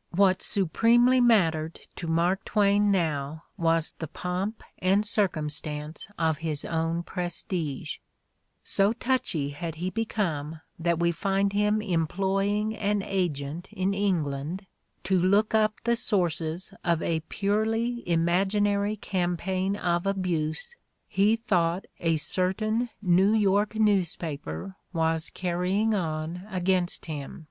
'' What supremely mattered to Mark Twain now was the pomp and circumstance of his own prestige: so touchy had he become that we find him employing an agent in England to look up the sources of a purely imaginary campaign of abuse he thought a certain New York news paper was carrying on against him.